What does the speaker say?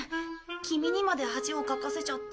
キミにまで恥をかかせちゃって。